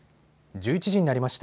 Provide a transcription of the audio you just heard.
１１時になりました。